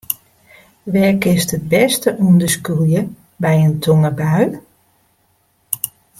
Wêr kinst it bêste ûnder skûlje by in tongerbui?